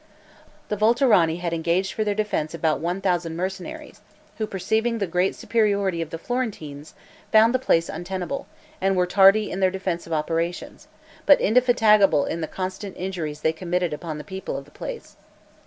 The Volterrani had engaged for their defense about one thousand mercenaries, who, perceiving the great superiority of the Florentines, found the place untenable, and were tardy in their defensive operations, but indefatigable in the constant injuries they committed upon the people of the place.